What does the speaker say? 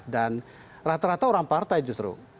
dan rata rata orang partai justru